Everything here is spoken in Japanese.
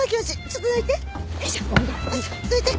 ちょっとどいて。